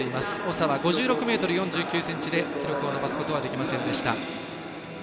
長は５６ｍ４９ｃｍで記録を伸ばすことはできませんでした。